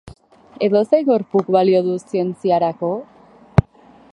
Edozein gorpuk balio du zientziarako?